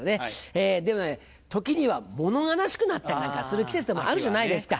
でもね時にはもの悲しくなったりなんかする季節でもあるじゃないですか。